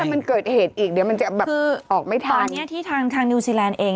ถ้ามันเกิดเหตุอีกเดี๋ยวมันจะแบบออกไม่ทัน